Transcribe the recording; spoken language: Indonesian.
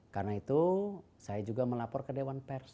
karena itu saya juga melapor ke dewan pers